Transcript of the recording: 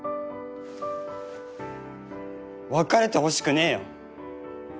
別れてほしくねよ！